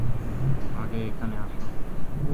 আগে এখানে আস।